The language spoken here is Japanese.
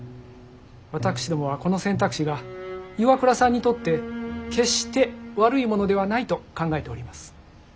私どもはこの選択肢が岩倉さんにとって決して悪いものではないと考えております。